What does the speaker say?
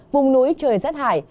vùng núi trời rất hải